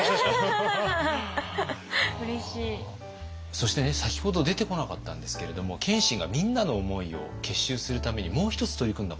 そしてね先ほど出てこなかったんですけれども謙信がみんなの思いを結集するためにもう一つ取り組んだことがあって。